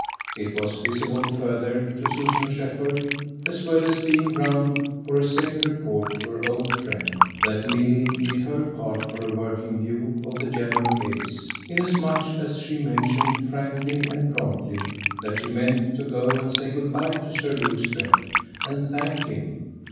It was visible further to Susan Shepherd as well as being ground for a second report to her old friend that Milly did her part for a working view of the general case, inasmuch as she mentioned frankly and promptly that she meant to go and say good bye to Sir Luke Strett and thank him.